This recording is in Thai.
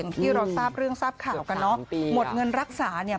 กินแล้วหาย